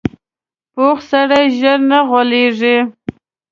پوخ سړی ژر نه غولېږي